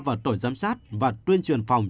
vào tổ giám sát và tuyên truyền phòng